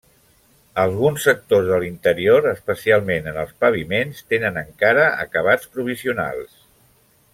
Alguns sectors de l'interior, especialment en els paviments, tenen encara acabats provisionals.